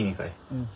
うん。